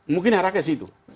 mungkin harapnya ke situ